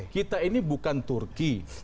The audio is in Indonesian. kita ini bukan turki